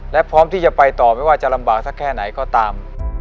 และพร้อมที่จะไปต่อไม่ว่าจะลำบากสักแค่ไหนก็ตาม